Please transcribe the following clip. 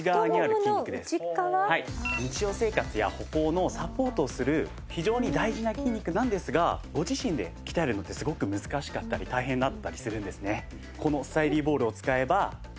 日常生活や歩行のサポートをする非常に大事な筋肉なんですがご自身で鍛えるのってすごく難しかったり大変だったりするんですね。